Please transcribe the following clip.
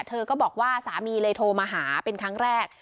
เธอก็บอกว่าสามีเลยโทรมาหาเป็นครั้งแรก